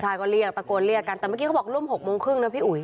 ก็เรียกตะโกนเรียกกันแต่เมื่อกี้เขาบอกร่วม๖โมงครึ่งนะพี่อุ๋ย